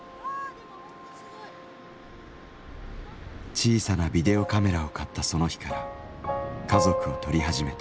「小さなビデオカメラを買ったその日から家族を撮り始めた」。